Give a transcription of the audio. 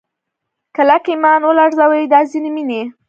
کلک ایمان ولړزوي دا ځینې مینې